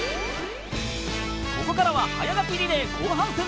［ここからは早書きリレー後半戦］